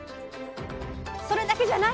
それだけじゃない！